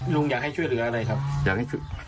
ลุงอยากให้ช่วยหรืออะไรครับ